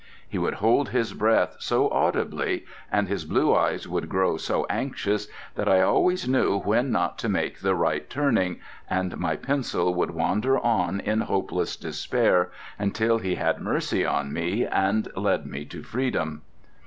He would hold his breath so audibly, and his blue eyes would grow so anxious, that I always knew when not to make the right turning, and my pencil would wander on in hopeless despair until he had mercy on me and led me to freedom.